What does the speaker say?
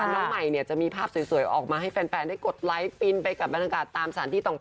น้องใหม่จะมีภาพสวยออกมาให้แฟนได้กดไลค์ฟินไปกับบรรยากาศตามสถานที่ต่าง